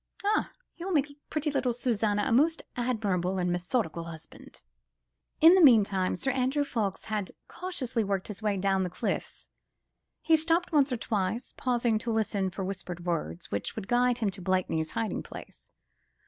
Ah! he will make pretty little Suzanne a most admirable and methodical husband." In the meanwhile Sir Andrew Ffoulkes had cautiously worked his way down the cliffs: he stopped once or twice, pausing to listen for the whispered words, which would guide him to Blakeney's hiding place.